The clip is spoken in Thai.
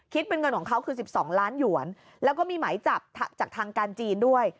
เป็นเงินของเขาคือ๑๒ล้านหยวนแล้วก็มีหมายจับจากทางการจีนด้วย